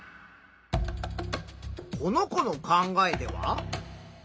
この子の考えでは？